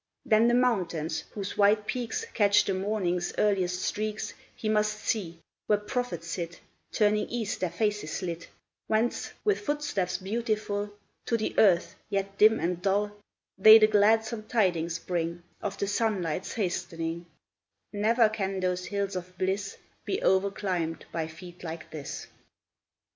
Then the mountains, whose white peaks Catch the morning's earliest streaks, He must see, where prophets sit, Turning east their faces lit, Whence, with footsteps beautiful, To the earth, yet dim and dull, They the gladsome tidings bring, Of the sunlight's hastening: Never can those hills of bliss Be o'erclimbed by feet like his!